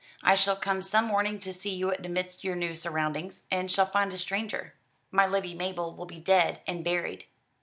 I shall come some morning to see you amidst your new surroundings, and shall find a stranger. My Lady Mabel will be dead and buried."